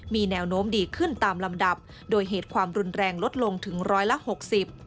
มีแนวโน้มดีขึ้นตามลำดับโดยเหตุความรุนแรงลดลงถึงร้อยละหกสิบ